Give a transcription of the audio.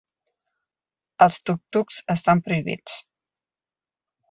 Els tuk-tuks estan prohibits.